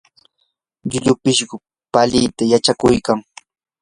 llullu pishqu palita yachakuykan.